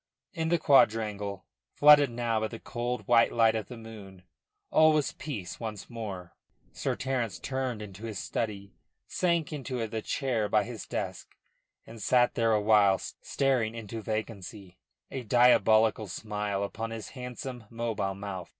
In the quadrangle, flooded now by the cold, white light of the moon, all was peace once more. Sir Terence turned into his study, sank into the chair by his desk and sat there awhile staring into vacancy, a diabolical smile upon his handsome, mobile mouth.